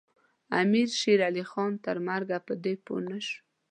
امیر شېرعلي خان تر مرګه په دې پوه نه شو.